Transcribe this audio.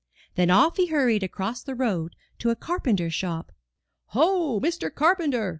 Then off he hurried across the road to a car penter's shop. "Ho, Mr. Carpenter!"